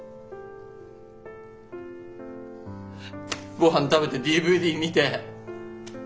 ごはん食べてＤＶＤ見て。